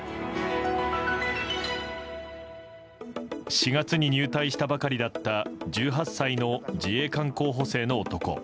４月に入隊したばかりだった１８歳の自衛官候補生の男。